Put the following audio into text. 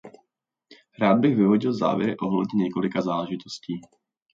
Rád bych vyvodil závěry ohledně několika záležitostí.